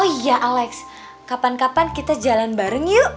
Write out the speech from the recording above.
oh iya alex kapan kapan kita jalan bareng yuk